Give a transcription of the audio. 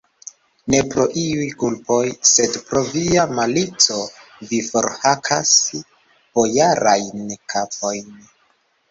Ne pro iuj kulpoj, sed pro via malico vi forhakas bojarajn kapojn!